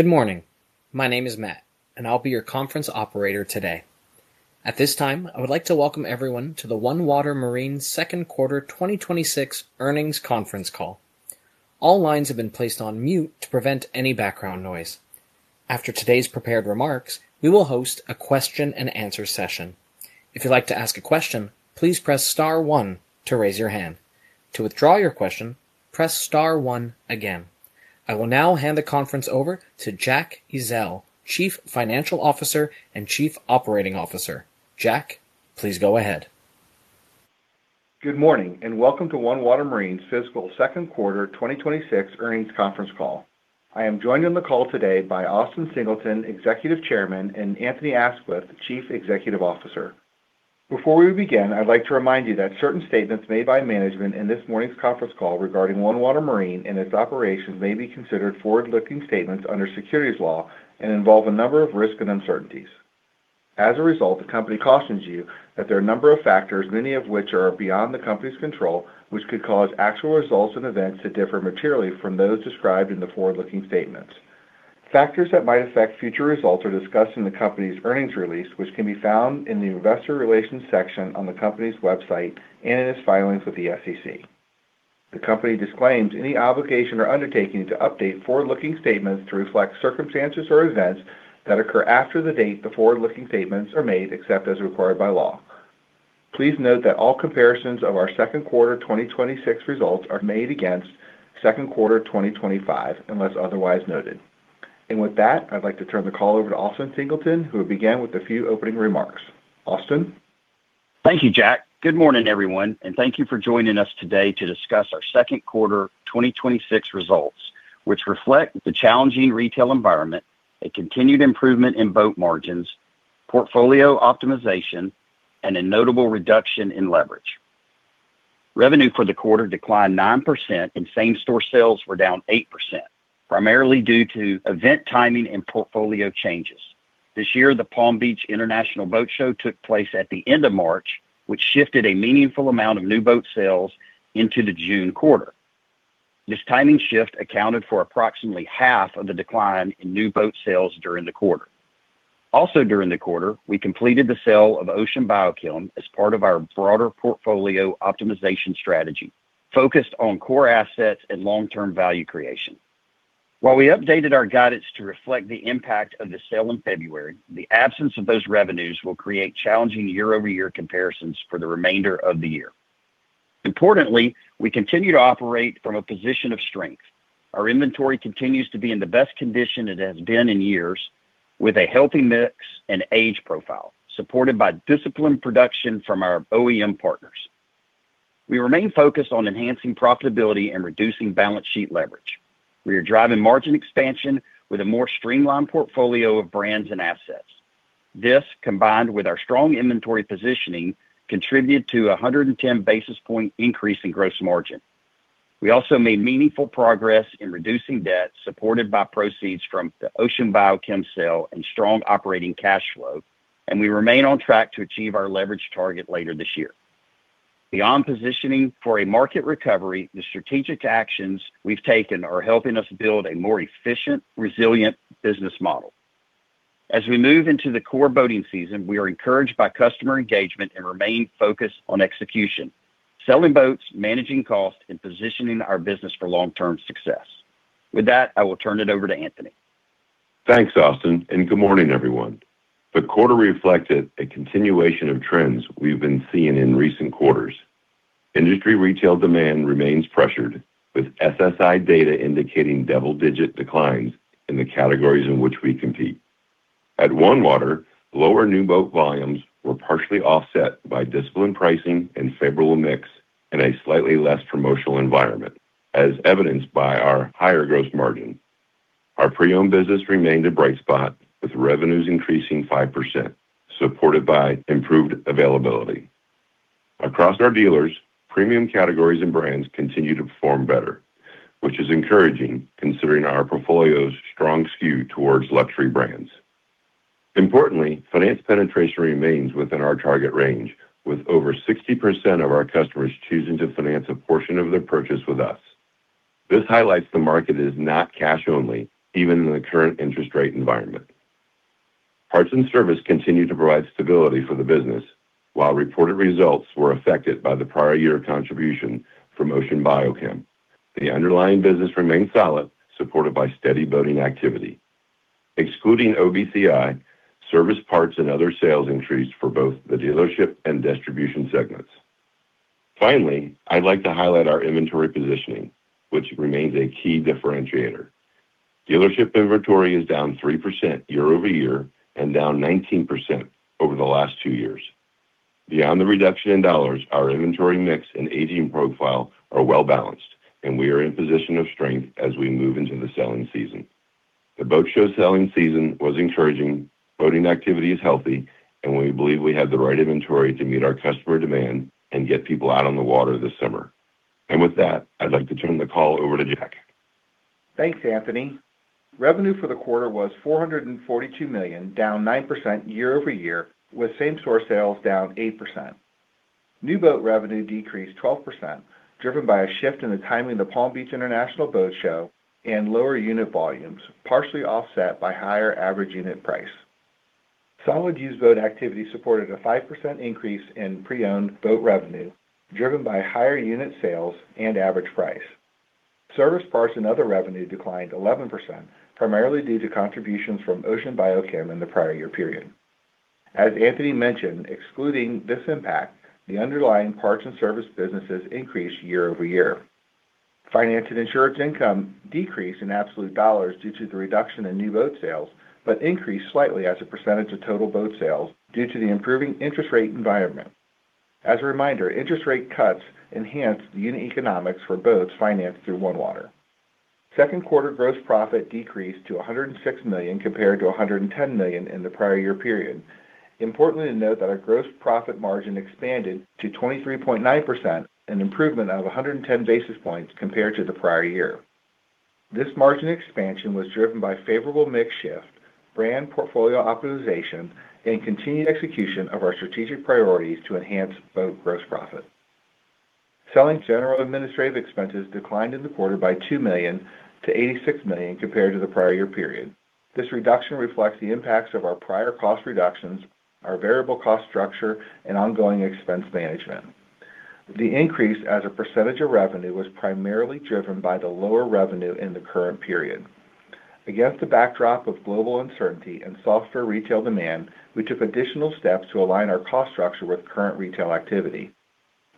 Good morning. My name is Matt, and I'll be your conference operator today. At this time, I would like to welcome everyone to the OneWater Marine second quarter 2026 earnings conference call. All lines have been placed on mute to prevent any background noise. After today's prepared remarks, we will host a question-and-answer session. If you'd like to ask a question, please press star one to raise your hand. To withdraw your question, press star one again. I will now hand the conference over to Jack Ezzell, Chief Financial Officer and Chief Operating Officer. Jack, please go ahead. Good morning and welcome to OneWater Marine's fiscal second quarter 2026 earnings conference call. I am joined on the call today by Austin Singleton, Executive Chairman, and Anthony Aisquith, Chief Executive Officer. Before we begin, I'd like to remind you that certain statements made by management in this morning's conference call regarding OneWater Marine and its operations may be considered forward-looking statements under securities law and involve a number of risks and uncertainties. The company cautions you that there are a number of factors, many of which are beyond the company's control, which could cause actual results and events to differ materially from those described in the forward-looking statements. Factors that might affect future results are discussed in the company's earnings release, which can be found in the investor relations section on the company's website and in its filings with the SEC. The company disclaims any obligation or undertaking to update forward-looking statements to reflect circumstances or events that occur after the date the forward-looking statements are made, except as required by law. Please note that all comparisons of our second quarter 2026 results are made against second quarter 2025, unless otherwise noted. With that, I'd like to turn the call over to Austin Singleton, who will begin with a few opening remarks. Austin? Thank you, Jack. Good morning, everyone, and thank you for joining us today to discuss our second quarter 2026 results, which reflect the challenging retail environment, a continued improvement in boat margins, portfolio optimization, and a notable reduction in leverage. Revenue for the quarter declined 9% and same-store sales were down 8%, primarily due to event timing and portfolio changes. This year, the Palm Beach International Boat Show took place at the end of March, which shifted a meaningful amount of new boat sales into the June quarter. This timing shift accounted for approximately half of the decline in new boat sales during the quarter. Also during the quarter, we completed the sale of Ocean Bio-Chem as part of our broader portfolio optimization strategy focused on core assets and long-term value creation. While we updated our guidance to reflect the impact of the sale in February, the absence of those revenues will create challenging year-over-year comparisons for the remainder of the year. Importantly, we continue to operate from a position of strength. Our inventory continues to be in the best condition it has been in years with a healthy mix and age profile supported by disciplined production from our OEM partners. We remain focused on enhancing profitability and reducing balance sheet leverage. We are driving margin expansion with a more streamlined portfolio of brands and assets. This, combined with our strong inventory positioning, contributed to a 110 basis point increase in gross margin. We also made meaningful progress in reducing debt supported by proceeds from the Ocean Bio-Chem sale and strong operating cash flow, and we remain on track to achieve our leverage target later this year. Beyond positioning for a market recovery, the strategic actions we've taken are helping us build a more efficient, resilient business model. As we move into the core boating season, we are encouraged by customer engagement and remain focused on execution, selling boats, managing costs, and positioning our business for long-term success. With that, I will turn it over to Anthony. Thanks, Austin. Good morning, everyone. The quarter reflected a continuation of trends we've been seeing in recent quarters. Industry retail demand remains pressured with SSI data indicating double-digit declines in the categories in which we compete. At OneWater, lower new boat volumes were partially offset by disciplined pricing and favorable mix in a slightly less promotional environment, as evidenced by our higher gross margin. Our pre-owned business remained a bright spot with revenues increasing 5%, supported by improved availability. Across our dealers, premium categories and brands continue to perform better, which is encouraging considering our portfolio's strong skew towards luxury brands. Importantly, finance penetration remains within our target range with over 60% of our customers choosing to finance a portion of their purchase with us. This highlights the market is not cash only, even in the current interest rate environment. Parts and service continue to provide stability for the business. While reported results were affected by the prior year contribution from Ocean Bio-Chem, the underlying business remained solid, supported by steady boating activity. Excluding OBCI, service parts and other sales increased for both the dealership and distribution segments. Finally, I'd like to highlight our inventory positioning, which remains a key differentiator. Dealership inventory is down 3% year-over-year and down 19% over the last two years. Beyond the reduction in dollars, our inventory mix and aging profile are well-balanced, and we are in a position of strength as we move into the selling season. The boat show selling season was encouraging, boating activity is healthy, and we believe we have the right inventory to meet our customer demand and get people out on the water this summer. With that, I'd like to turn the call over to Jack. Thanks, Anthony. Revenue for the quarter was $442 million, down 9% year-over-year, with same-store sales down 8%. New boat revenue decreased 12%, driven by a shift in the timing of the Palm Beach International Boat Show and lower unit volumes, partially offset by higher average unit price. Solid used boat activity supported a 5% increase in pre-owned boat revenue, driven by higher unit sales and average price. Service parts and other revenue declined 11%, primarily due to contributions from Ocean Bio-Chem in the prior year period. As Anthony mentioned, excluding this impact, the underlying parts and service businesses increased year-over-year. Finance and insurance income decreased in absolute dollars due to the reduction in new boat sales, but increased slightly as a percentage of total boat sales due to the improving interest rate environment. As a reminder, interest rate cuts enhanced the unit economics for boats financed through OneWater. Second quarter gross profit decreased to $106 million compared to $110 million in the prior year period. Importantly to note that our gross profit margin expanded to 23.9%, an improvement of 110 basis points compared to the prior year. This margin expansion was driven by favorable mix shift, brand portfolio optimization, and continued execution of our strategic priorities to enhance boat gross profit. Selling, general, administrative expenses declined in the quarter by $2 million-$86 million compared to the prior year period. This reduction reflects the impacts of our prior cost reductions, our variable cost structure, and ongoing expense management. The increase as a percentage of revenue was primarily driven by the lower revenue in the current period. Against the backdrop of global uncertainty and softer retail demand, we took additional steps to align our cost structure with current retail activity.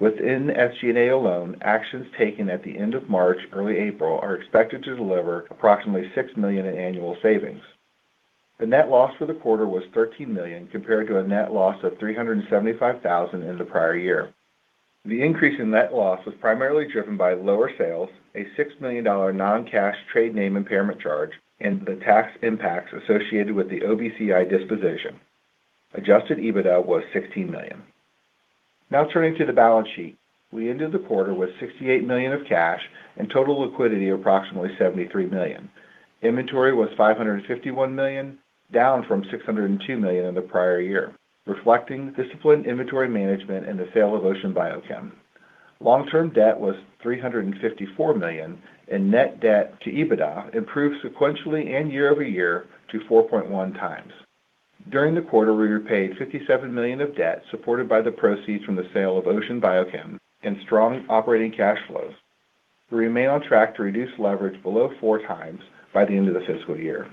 Within SG&A alone, actions taken at the end of March, early April, are expected to deliver approximately $6 million in annual savings. The net loss for the quarter was $13 million, compared to a net loss of $375,000 in the prior year. The increase in net loss was primarily driven by lower sales, a $6 million non-cash trade name impairment charge, and the tax impacts associated with the OBCI disposition. Adjusted EBITDA was $16 million. Turning to the balance sheet. We ended the quarter with $68 million of cash and total liquidity approximately $73 million. Inventory was $551 million, down from $602 million in the prior year, reflecting disciplined inventory management and the sale of Ocean Bio-Chem. Long-term debt was $354 million, and net debt to EBITDA improved sequentially and year-over-year to 4.1x. During the quarter, we repaid $57 million of debt supported by the proceeds from the sale of Ocean Bio-Chem and strong operating cash flows. We remain on track to reduce leverage below 4x by the end of the fiscal year.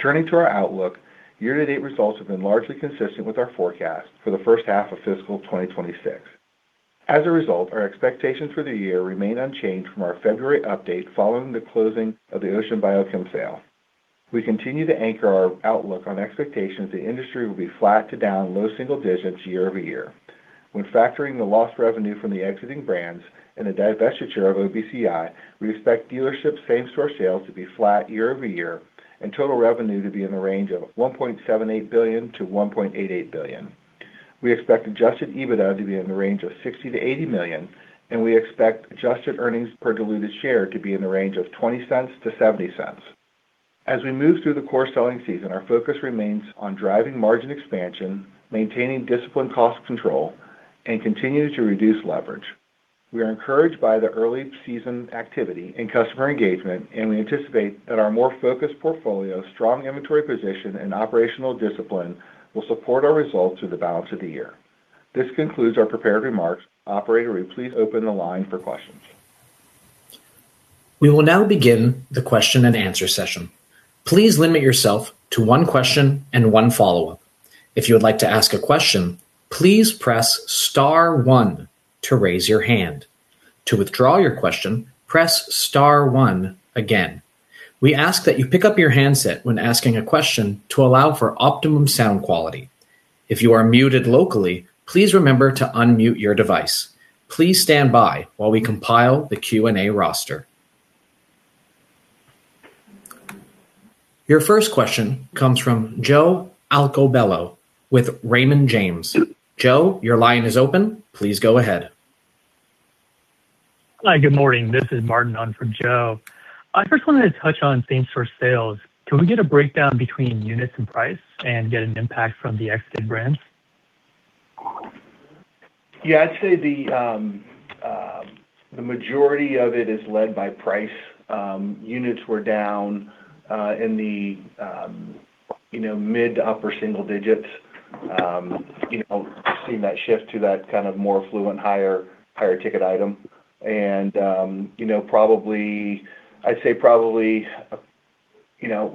Turning to our outlook, year-to-date results have been largely consistent with our forecast for the first half of fiscal 2026. As a result, our expectations for the year remain unchanged from our February update following the closing of the Ocean Bio-Chem sale. We continue to anchor our outlook on expectations the industry will be flat to down low single digits year-over-year. When factoring the lost revenue from the exiting brands and the divestiture of OBCI, we expect dealership same-store sales to be flat year-over-year and total revenue to be in the range of $1.78 billion-$1.88 billion. We expect adjusted EBITDA to be in the range of $60 million-$80 million, and we expect adjusted earnings per diluted share to be in the range of $0.20-$0.70. As we move through the core selling season, our focus remains on driving margin expansion, maintaining disciplined cost control, and continuing to reduce leverage. We are encouraged by the early season activity and customer engagement, and we anticipate that our more focused portfolio, strong inventory position, and operational discipline will support our results through the balance of the year. This concludes our prepared remarks. Operator, will you please open the line for questions? We will now begin the question-and-answer session. Please limit yourself to one question and one follow-up. If you would like to ask a question, please press star one to raise your hand. To withdraw your question, press star one again. We ask that you pick up your handset when asking a question to allow for optimum sound quality. If you are muted locally, please remember to unmute your device. Please stand by while we compile the Q&A roster. Your first question comes from Joe Altobello with Raymond James. Joe, your line is open. Please go ahead. Hi, good morning. This is Martin on for Joe. I first wanted to touch on same-store sales. Can we get a breakdown between units and price and get an impact from the exited brands? Yeah, I'd say the majority of it is led by price. Units were down in the mid to upper single digits. Seeing that shift to that kind of more affluent, higher ticket item. I'd say probably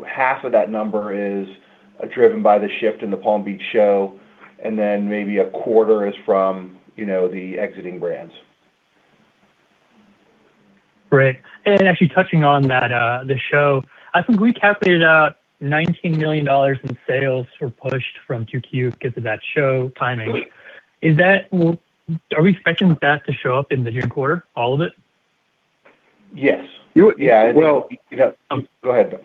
half of that number is driven by the shift in the Palm Beach show, then maybe a quarter is from the exiting brands. Great. Actually touching on that, the show. I think we calculated out $19 million in sales were pushed from Q2 because of that show timing. Are we expecting that to show up in the third quarter, all of it? Yes. Yeah. Yeah. Go ahead.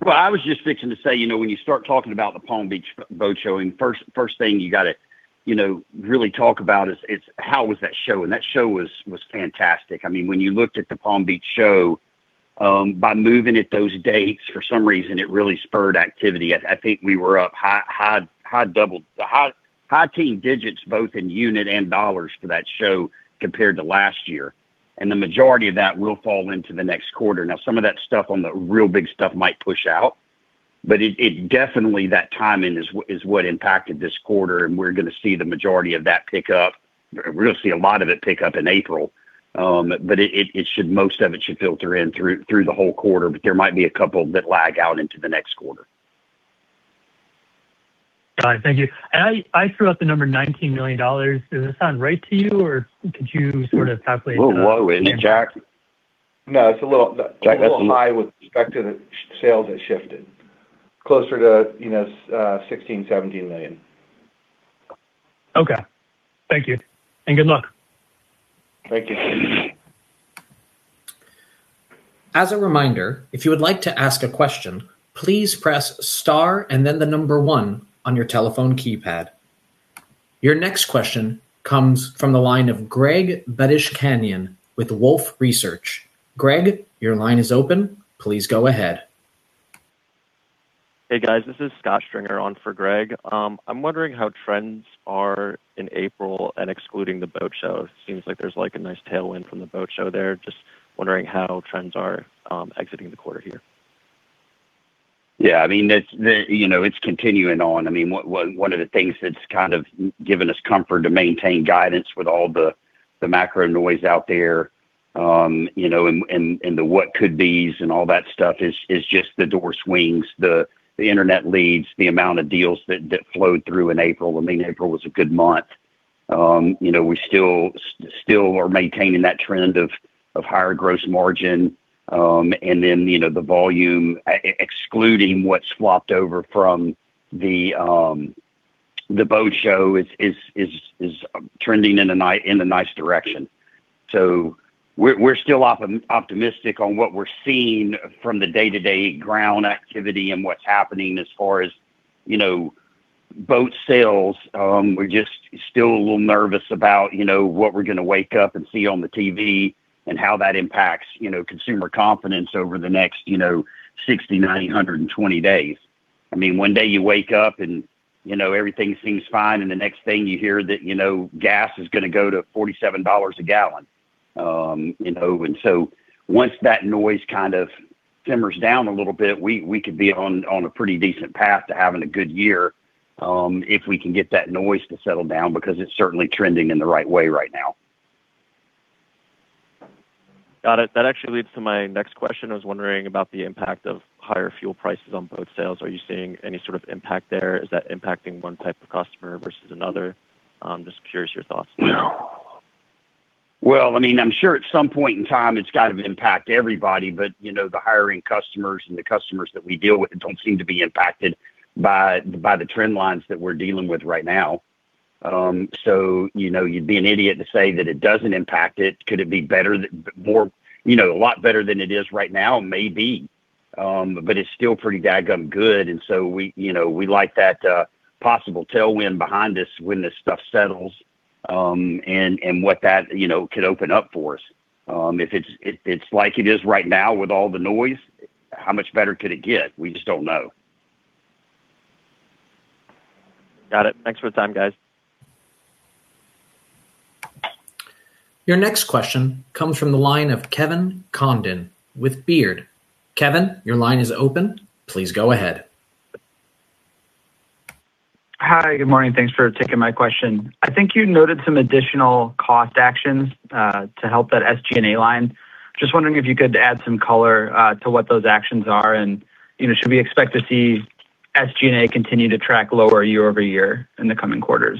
Well, I was just fixing to say, you know, when you start talking about the Palm Beach Boat Show, first thing you gotta, you know, really talk about is how was that show? That show was fantastic. I mean, when you looked at the Palm Beach Show, by moving it those dates, for some reason, it really spurred activity. I think we were up high, high teen digits both in unit and dollars to that show compared to last year. The majority of that will fall into the next quarter. Now, some of that stuff on the real big stuff might push out, but it definitely, that timing is what impacted this quarter, we're gonna see the majority of that pick up. We're gonna see a lot of it pick up in April. It should, most of it should filter in through the whole quarter, but there might be a couple that lag out into the next quarter. Got it. Thank you. I threw out the number $19 million. Does that sound right to you, or could you sort of calculate that? Whoa, whoa. Jack? No, it's a little. Jack, that's a little. high with respect to the sales that shifted. Closer to, you know, $16 million-$17 million. Okay. Thank you, and good luck. Thank you. As a reminder, if you would like to ask a question, please press star and then the number one on your telephone keypad. Your next question comes from the line of Greg Badishkanian with Wolfe Research. Greg, your line is open. Please go ahead. Hey, guys. This is Scott Stringer on for Greg. I'm wondering how trends are in April and excluding the boat show. Seems like there's, like, a nice tailwind from the boat show there. Just wondering how trends are exiting the quarter here. I mean, it's, you know, it's continuing on. I mean, one of the things that's kind of given us comfort to maintain guidance with all the macro noise out there, you know, and the what could be and all that stuff is just the door swings. The internet leads, the amount of deals that flowed through in April. I mean, April was a good month. You know, we still are maintaining that trend of higher gross margin. You know, the volume, excluding what swapped over from the boat show is trending in a nice direction. We're still optimistic on what we're seeing from the day-to-day ground activity and what's happening as far as, you know, boat sales. We're just still a little nervous about, you know, what we're gonna wake up and see on the TV and how that impacts, you know, consumer confidence over the next, you know, 60, 90, 120 days. I mean, one day you wake up and, you know, everything seems fine, the next thing you hear that, you know, gas is gonna go to $47 a gallon. You know. Once that noise kind of simmers down a little bit, we could be on a pretty decent path to having a good year, if we can get that noise to settle down because it's certainly trending in the right way right now. Got it. That actually leads to my next question. I was wondering about the impact of higher fuel prices on boat sales. Are you seeing any sort of impact there? Is that impacting one type of customer versus another? Just curious your thoughts. No. Well, I mean, I'm sure at some point in time it's got to impact everybody, but, you know, the hiring customers and the customers that we deal with don't seem to be impacted by the trend lines that we're dealing with right now. You know, you'd be an idiot to say that it doesn't impact it. Could it be better more, you know, a lot better than it is right now? Maybe. It's still pretty daggum good. We, you know, we like that possible tailwind behind us when this stuff settles, and what that, you know, could open up for us. If it's like it is right now with all the noise, how much better could it get? We just don't know. Got it. Thanks for the time, guys. Your next question comes from the line of Kevin Condon with Baird. Kevin, your line is open. Please go ahead. Hi. Good morning. Thanks for taking my question. I think you noted some additional cost actions to help that SG&A line. Just wondering if you could add some color to what those actions are and, you know, should we expect to see SG&A continue to track lower year-over-year in the coming quarters?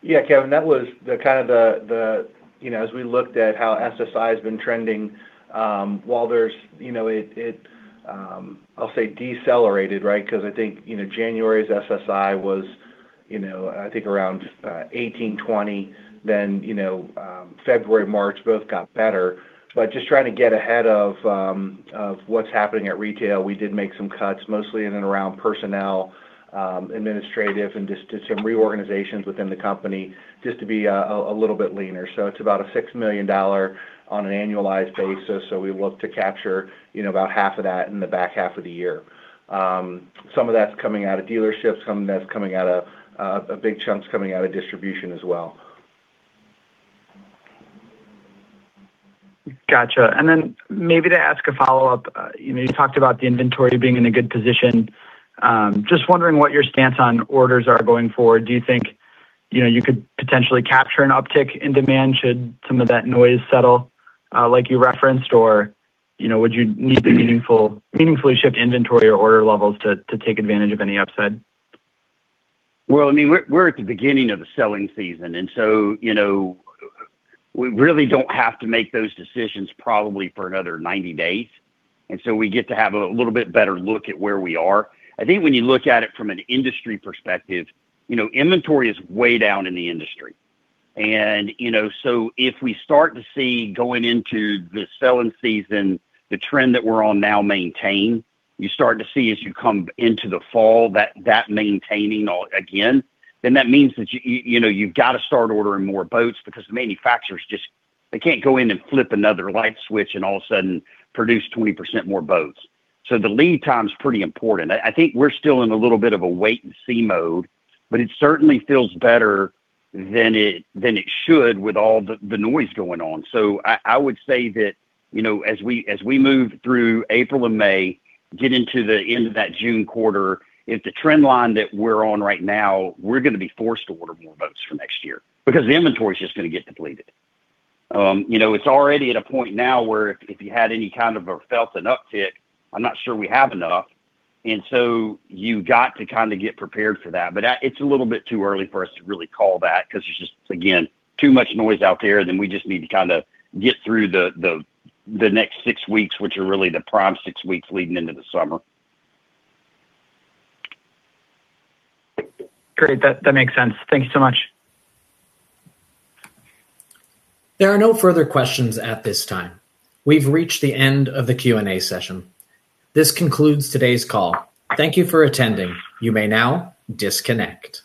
Yeah, Kevin, that was the kind of the, you know, as we looked at how SSI has been trending, while there's, you know, it, I'll say decelerated, right? I think, you know, January's SSI was, you know, I think around 1,820. You know, February, March both got better. Just trying to get ahead of what's happening at retail. We did make some cuts, mostly in and around personnel, administrative, and just did some reorganizations within the company just to be a little bit leaner. It's about a $6 million on an annualized basis, we look to capture, you know, about half of that in the back half of the year. Some of that's coming out of dealerships, some of that's coming out of, big chunks coming out of distribution as well. Gotcha. Then maybe to ask a follow-up. you know, you talked about the inventory being in a good position. just wondering what your stance on orders are going forward. Do you think, you know, you could potentially capture an uptick in demand should some of that noise settle, like you referenced, or, you know, would you need to meaningfully shift inventory or order levels to take advantage of any upside? Well, I mean, we're at the beginning of the selling season, you know, we really don't have to make those decisions probably for another 90 days. We get to have a little bit better look at where we are. I think when you look at it from an industry perspective, you know, inventory is way down in the industry. You know, if we start to see going into the selling season, the trend that we're on now maintain, you start to see as you come into the fall that maintaining all again, that means that you know, you've got to start ordering more boats because the manufacturers just, they can't go in and flip another light switch and all of a sudden produce 20% more boats. The lead time's pretty important. I think we're still in a little bit of a wait and see mode, but it certainly feels better than it, than it should with all the noise going on. I would say that, you know, as we move through April and May, get into the end of that June quarter, if the trend line that we're on right now, we're gonna be forced to order more boats for next year because the inventory is just gonna get depleted. You know, it's already at a point now where if you had any kind of or felt an uptick, I'm not sure we have enough. You got to kind of get prepared for that. It's a little bit too early for us to really call that because there's just, again, too much noise out there. We just need to kind of get through the next six weeks, which are really the prime six weeks leading into the summer. Great. That makes sense. Thank you so much. There are no further questions at this time. We've reached the end of the Q&A session. This concludes today's call. Thank you for attending. You may now disconnect.